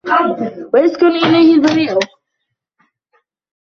وَيَسْكُنُ إلَيْهِ الْبَرِيءُ